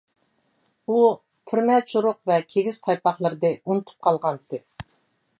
پۈرمە چورۇق ۋە كىگىز پايپاقلىرىنى ئۇنتۇپ قالغانىدى.